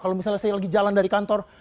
kalau misalnya saya lagi jalan dari kantor